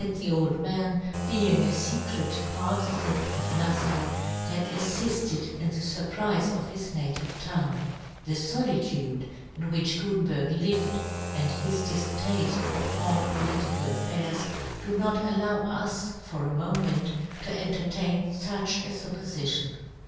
109 the old man, being a fecret partifan of NalTau, had affifted in the fur prife of his native town ; the folitude in which Gutenberg Uved, and his diftafte for all political affairs, do not allow us, for a moment, to entertain fuch a fuppofition.